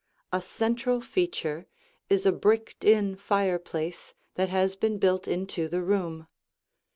A central feature is a bricked in fireplace that has been built into the room.